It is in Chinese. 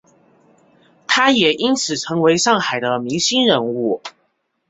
他也因此成为上海的明星人物。